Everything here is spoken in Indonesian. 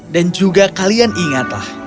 dan juga kalian ingatlah